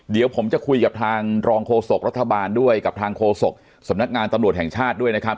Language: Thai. เดี๋ยวผมจะคุยกับทางรองโฆษกรัฐบาลด้วยกับทางโฆษกสำนักงานตำรวจแห่งชาติด้วยนะครับ